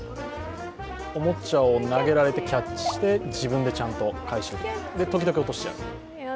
おもちゃを投げられてキャッチして、自分でちゃんと返して、でも時々落としちゃう。